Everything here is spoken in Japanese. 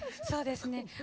そうですね。